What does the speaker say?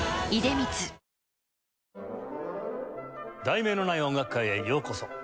『題名のない音楽会』へようこそ。